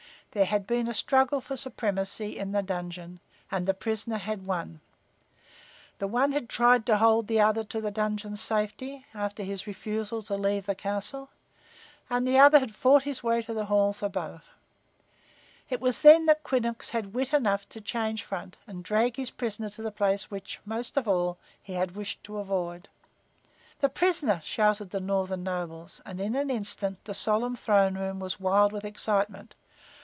There had been a struggle for supremacy in the dungeon and the prisoner had won. The one had tried to hold the other to the dungeon's safety, after his refusal to leave the castle, and the other had fought his way to the halls above. It was then that Quinnox had wit enough to change front and drag his prisoner to the place which, most of all, he had wished to avoid. "The prisoner!" shouted the northern nobles, and in an instant the solemn throne room was wild with excitement.